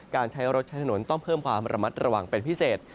การใช้รถใช้ถนนต้องเพิ่มความระมัดระวังเป็นพิเศษ